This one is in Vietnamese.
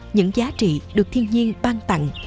những giá trị được thiên nhiên ban tặng